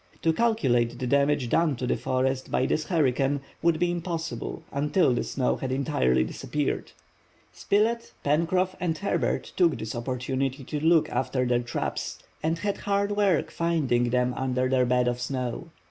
To calculate the damage done to the forest by this hurricane would be impossible until the snow had entirely disappeared. Spilett, Pencroff, and Herbert took this opportunity to look after their traps and had hard work finding them under their bed of snow.